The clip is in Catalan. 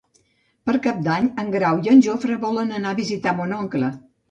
Per Cap d'Any en Grau i en Jofre volen anar a visitar mon oncle.